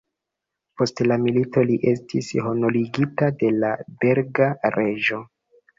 Post la milito li estis honorigita de la belga reĝo.